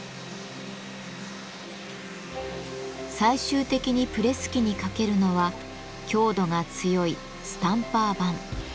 最終的にプレス機にかけるのは強度が強い「スタンパー盤」。